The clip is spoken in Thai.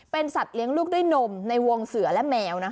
เป็นสัตว์เลี้ยงลูกด้วยนมในวงเสือและแมว